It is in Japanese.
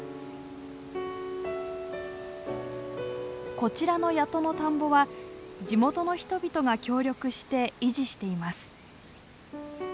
こちらの谷戸の田んぼは地元の人々が協力して維持しています。